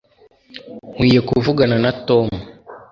nkwiye kuvugana na tom